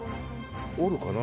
おるかな？